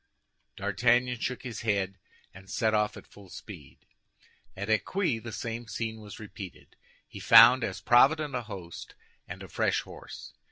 D'Artagnan shook his head, and set off at full speed. At Eccuis, the same scene was repeated. He found as provident a host and a fresh horse.